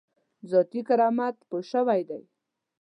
ذاتي کرامت پوه شوی دی.